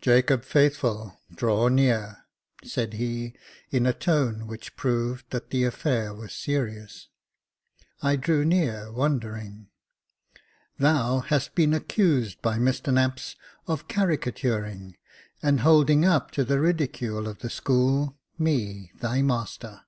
Jacob Faithful, draw near," said he, in a tone which proved that the affair was serious. I drew near, wondering. " Thou hast been accused by Mr Knapps of caricaturing, and holding up to the ridicule of the school, me — thy master.